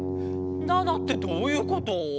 ７ってどういうこと？